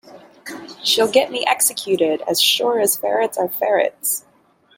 She’ll get me executed, as sure as ferrets are ferrets!